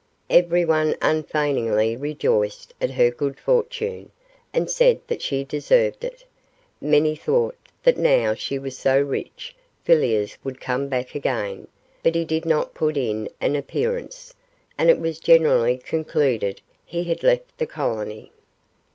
Everyone unfeigningly rejoiced at her good fortune, and said that she deserved it. Many thought that now she was so rich Villiers would come back again, but he did not put in an appearance, and it was generally concluded he had left the colony.